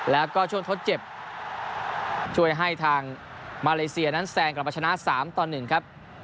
แล้วก็ช่วงทดเจ็บช่วยให้ทางมาเลเซียนั้นแซงกลับมาชนะ๓ต่อ๑ครับ